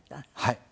はい。